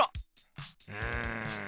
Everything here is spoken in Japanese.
うん。